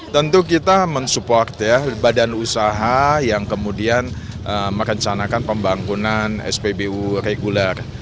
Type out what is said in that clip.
tentu kita mensupport ya badan usaha yang kemudian merencanakan pembangunan spbu reguler